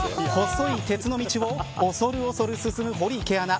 細い鉄の道を恐る恐る進む堀池アナ。